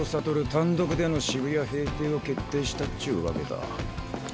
単独での渋谷平定を決定したっちゅうわけだ。